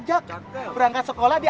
pantai berpantun yuk lah kau